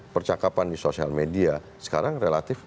percakapan di sosial media sekarang relatif